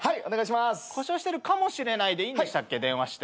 故障してるかもしれないでいいんでしたっけ電話して。